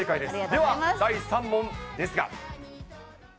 では第３問ですが。